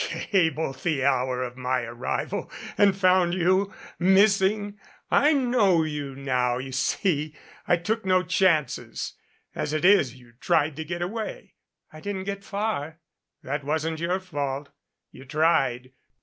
"Cabled the hour of my arrival, and found you missing! I know you now, you see. I took no chances. As it is, you tried to get away " "I didn't get far " "That wasn't your fault. You tried.